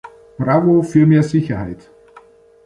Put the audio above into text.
Bravo für mehr Sicherheit!